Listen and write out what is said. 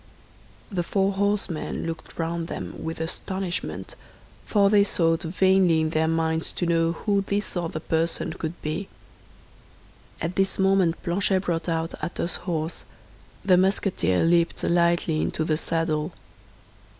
The four horsemen looked round them with astonishment, for they sought vainly in their minds to know who this other person could be. At this moment Planchet brought out Athos's horse; the Musketeer leaped lightly into the saddle.